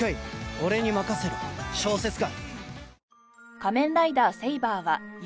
俺に任せろ小説家。